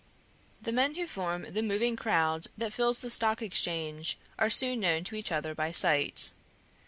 The men who form the moving crowd that fills the Stock Exchange are soon known to each other by sight.